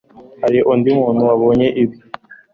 Hari undi muntu wabonye ibi